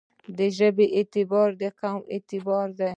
د ژبې اعتبار دقوم اعتبار دی.